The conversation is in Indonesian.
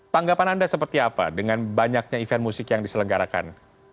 tanggapan anda seperti apa dengan banyaknya event musik yang diselenggarakan